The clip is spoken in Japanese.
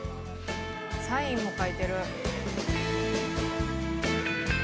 サインも書いてる。